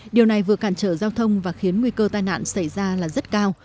điều này vừa cản trở giao thông và khiến nguy cơ tai nạn xảy ra là rất cao